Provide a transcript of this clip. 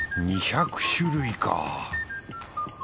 ２００種類か。